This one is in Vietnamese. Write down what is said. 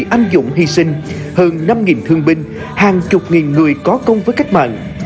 anh dụng hy sinh hơn năm thương binh hàng chục nghìn người có công với cách mạnh